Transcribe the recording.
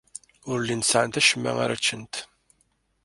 Ur llint sɛant acemma ara ččent.